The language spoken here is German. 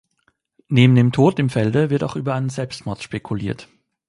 Neben dem Tod im Felde wird auch über einen Selbstmord spekuliert.